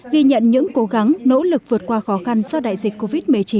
ghi nhận những cố gắng nỗ lực vượt qua khó khăn do đại dịch covid một mươi chín